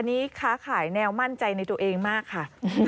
อันนี้ค้าขายแนวมั่นใจในตัวเองมากค่ะ